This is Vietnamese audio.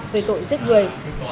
về tội giết người